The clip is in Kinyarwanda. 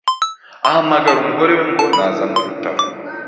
ahamagara umugore we ngo nazane urutaro